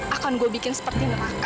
akan gue bikin seperti neraka